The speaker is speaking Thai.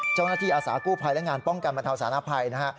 เจ้าหน้าที่อาสากู้ภัยและงานป้องกันบรรทาวศาลภัยนะฮะ